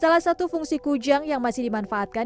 salah satu fungsi kujang yang masih dimanfaatkan